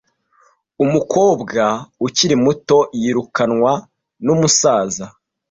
Umukobwa ukiri muto yirukanwe numusaza.